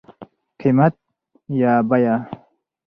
قيمت √ بيه